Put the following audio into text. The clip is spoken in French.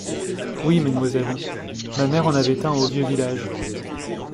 Oui, mademoiselle. Ma mère en avait un vieux au village.